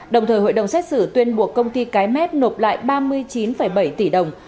đồng thời hội đồng xét xử tuyên buộc công ty cái mép nộp lại ba mươi chín bảy tỷ đồng